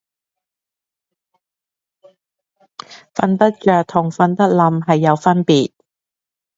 瞓得着同瞓得稔係有差別